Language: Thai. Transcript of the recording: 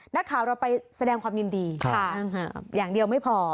นักข่าวเราไปแสดงความยินดีอย่างเดียวไม่พอ